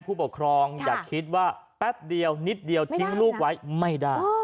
ผู้ปกครองอย่าคิดว่าแป๊บเดียวนิดเดียวทิ้งลูกไว้ไม่ได้